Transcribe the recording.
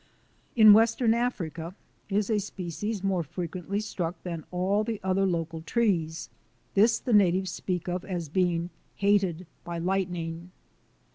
In western Africa is a species more frequently struck than all the other local trees. This the natives speak of as being " hated by lightning."